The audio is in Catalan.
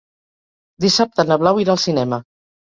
Dissabte na Blau irà al cinema.